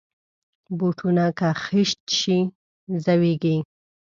بوټونه که خیشت شي، زویږي.